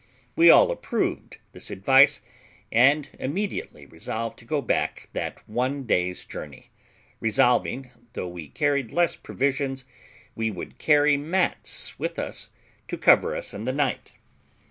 We all approved this advice, and immediately resolved to go back that one day's journey, resolving, though we carried less provisions, we would carry mats with us to cover us in the night.